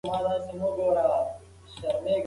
ساعت خپل فعالیت پیل کړی دی.